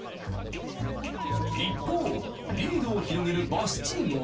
一方リードを広げるバスチームは。